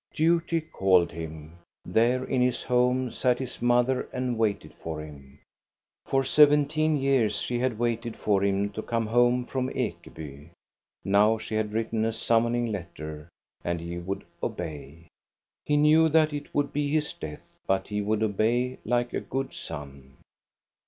Duty called him. There in his home sat his mother and waited for him. For seventeen years she had waited for him to come home from Ekeby. Now she had written a summoning letter, and he would obey. He knew that it would be his death; but he would obey like a good son.